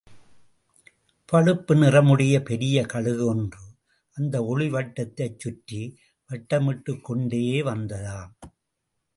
பழுப்பு நிறமுடைய பெரிய கழுகு ஒன்று அந்த ஒளி வட்டத்தைச் சுற்றி வட்டமிட்டுக் கொண்டே, வந்ததாம்.